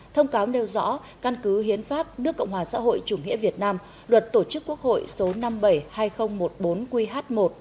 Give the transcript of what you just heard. thông cáo đeo rõ căn cứ hiến pháp nước cộng hòa xã hội chủ nghĩa việt nam luật tổ chức quốc hội số năm trăm bảy mươi hai nghìn một mươi bốn qh một trăm ba mươi ba